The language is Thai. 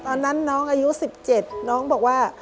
ตอนนั้นน้องอายุ๑๗น้องเจ๊เกิดบอกว่า